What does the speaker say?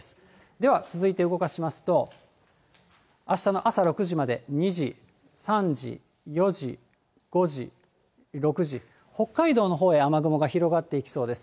では続いて動かしますと、あしたの朝６時まで、２時、３時、４時、５時、６時、北海道のほうへ雨雲が広がっていきそうです。